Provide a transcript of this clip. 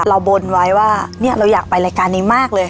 เราบนไว้ว่าเราอยากไปรายการนี้มากเลย